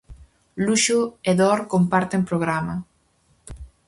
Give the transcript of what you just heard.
Luxo e dor comparten programa.